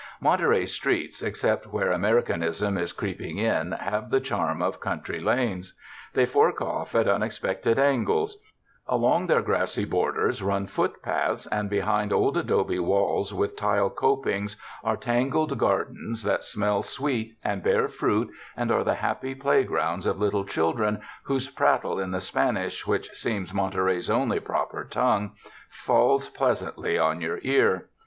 Monterey's streets, except where Americanism is creeping in, have the charm of country lanes. They fork off at unexpected angles; along their grassy borders run footpaths, and behind old adobe walls with tile copings are tangled gardens that smell sweet and bear fruit and are the happy playgrounds of little children whose prattle in the Spanish which seems Monterey's only proper tongue, falls pleas antly on your ear.